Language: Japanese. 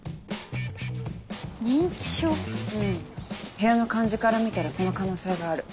部屋の感じから見たらその可能性がある。